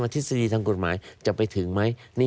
ทฤษฎีทางกฎหมายจะไปถึงไหม